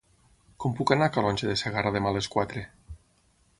Com puc anar a Calonge de Segarra demà a les quatre?